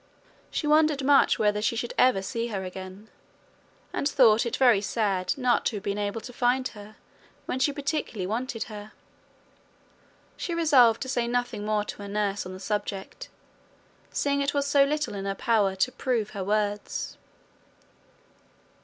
She wondered much whether she should ever see her again, and thought it very sad not to have been able to find her when she particularly wanted her. She resolved to say nothing more to her nurse on the subject, seeing it was so little in her power to prove her words.